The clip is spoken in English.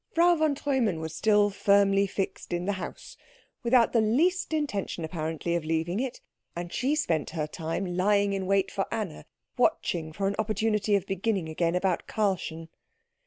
Frau von Treumann was still firmly fixed in the house, without the least intention apparently of leaving it, and she spent her time lying in wait for Anna, watching for an opportunity of beginning again about Karlchen.